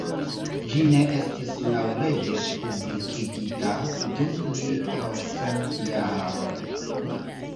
Ĝi ne estis laŭleĝe publikigita dum pli ol cent jaroj.